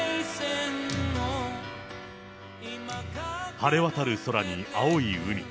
晴れ渡る空に青い海。